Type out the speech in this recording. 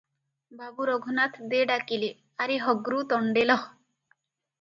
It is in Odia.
ବାବୁ ରଘୁନାଥ ଦେ ଡାକିଲେ - "ଆରେ ହଗ୍ରୁ ତଣ୍ଡେଲ!